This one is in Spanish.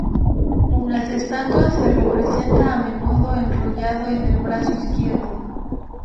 En las estatuas, se representa a menudo enrollado en el brazo izquierdo.